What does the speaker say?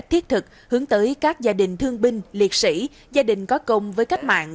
thiết thực hướng tới các gia đình thương binh liệt sĩ gia đình có công với cách mạng